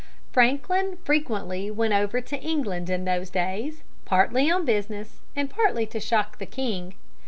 Franklin frequently went over to England in those days, partly on business and partly to shock the king.